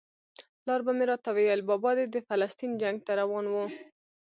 پلار به مې راته ویل بابا دې د فلسطین جنګ ته روان و.